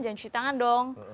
jangan cuci tangan dong